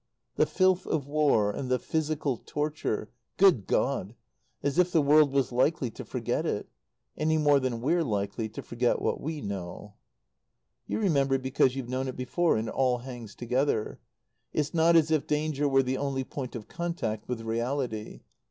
The filth of War and the physical torture Good God! As if the world was likely to forget it. Any more than we're likely to forget what we know. You remember because you've known it before and it all hangs together. It's not as if danger were the only point of contact with reality.